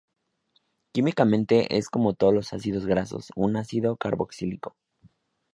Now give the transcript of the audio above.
Químicamente es, como todos los ácidos grasos, un ácido carboxílico.